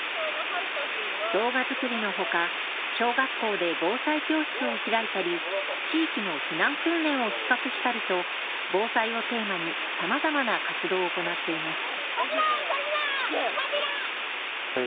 動画作りのほか小学校で防災教室を開いたり地域の避難訓練を企画したりと防災をテーマにさまざまな活動を行っています。